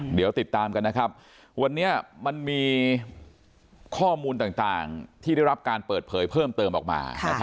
เดี๋ยวติดตามกันนะครับวันนี้มันมีข้อมูลต่างที่ได้รับการเปิดเผยเพิ่มเติมออกมา